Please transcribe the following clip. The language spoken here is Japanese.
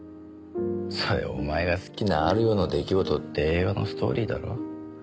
それお前が好きな『或る夜の出来事』って映画のストーリーだろ？